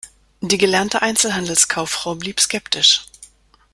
Die gelernte Einzelhandelskauffrau blieb skeptisch.